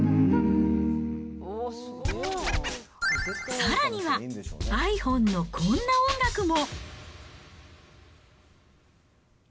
さらには、ｉＰｈｏｎｅのこんな音楽も。